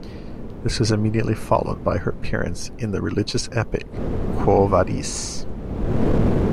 This was immediately followed by her appearance in the religious epic Quo Vadis?